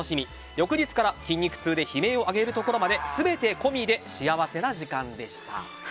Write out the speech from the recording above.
翌日から筋肉痛で悲鳴を上げるところまで全て込みで幸せな時間でした。